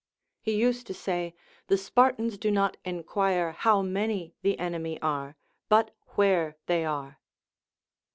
He used to say. The Spartans do not enquire how many the enemy are, but where they are.